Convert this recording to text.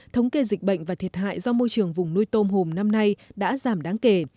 thống kê dịch bệnh và thiệt hại do môi trường vùng nuôi tôm hùm năm nay đã giảm đáng kể